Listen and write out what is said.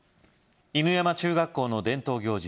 犬山中学校の伝統行事